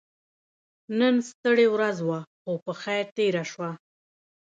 نن ډيره ستړې ورځ وه خو په خير تيره شوه.